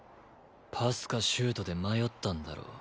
パスかシュートで迷ったんだろ？